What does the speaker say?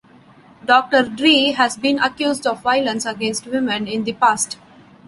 Doctor Dre has been accused of violence against women in the past.